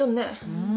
うん。